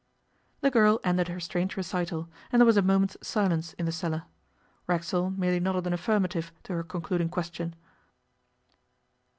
The girl ended her strange recital, and there was a moment's silence in the cellar. Racksole merely nodded an affirmative to her concluding question.